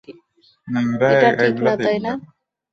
এটা ঠিক না, তাই না?